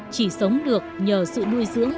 chỉ sống được nhờ sự nuôi dưỡng